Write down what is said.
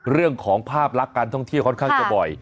เรื่องของภาพลักษณ์การท่องเที่ยวค่อนข้างจะบ่อย